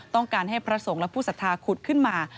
ต้องการให้พระสงฆ์และผู้ศรัทธาขุดขึ้นมา